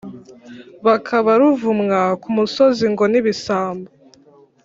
bakaba ruvumwa ku musozi ngo ni ibisambo